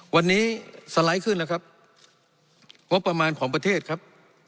วันนี้สไลด์ขึ้นแล้วครับงบประมาณของประเทศครับ